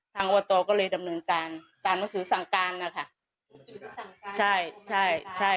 ทางอบตก็เลยดำเนินการตามหนังสือสั่งการนะคะ